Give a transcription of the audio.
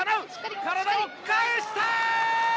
体を返した！